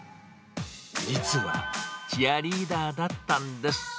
実はチアリーダーだったんです。